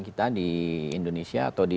kita di indonesia atau di